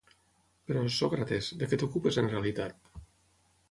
Però, Sòcrates, de què t'ocupes en realitat?